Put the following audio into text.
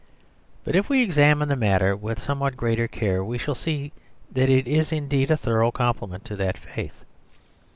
But if we examine the matter with somewhat greater care we shall see that it is indeed a thorough compliment to that faith.